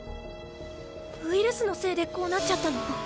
ウイルスのせいでこうなっちゃったの？